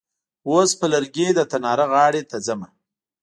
اوس په لرګي د تناره غاړې ته ځمه.